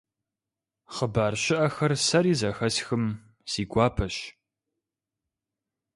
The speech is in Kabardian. Хъыбар щыӀэхэр сэри зэхэсхым, си гуапэщ.